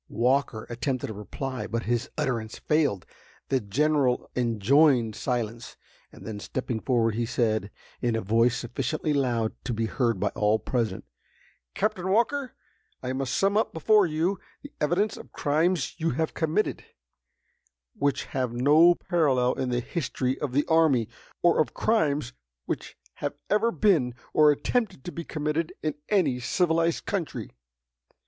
Walker attempted a reply, but his utterance failed. The General enjoined silence, and then stepping forward he said, in a voice sufficiently loud to be heard by all present: "Captain Walker, I must sum up, before you, the evidence of crimes you have committed, which have no parallel in the history of the army, or of crimes which have ever been, or attempted to be committed in any civilized country.